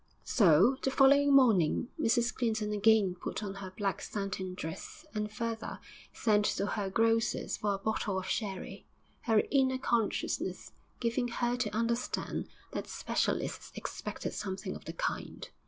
So, the following morning, Mrs Clinton again put on her black satin dress, and, further, sent to her grocer's for a bottle of sherry, her inner consciousness giving her to understand that specialists expected something of the kind....